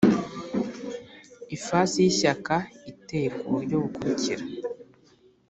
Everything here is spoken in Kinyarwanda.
Ifasi y ishyaka iteye ku buryo bukurikira